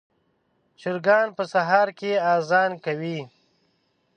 چرګان په سهار کې اذان کوي.